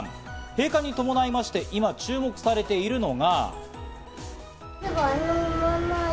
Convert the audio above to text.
閉館に伴いまして今、注目されているのが。